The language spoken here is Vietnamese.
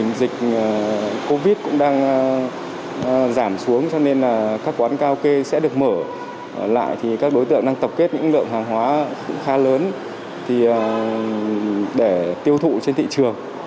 nguồn gốc xuất xứ